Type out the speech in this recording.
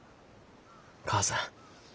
母さん。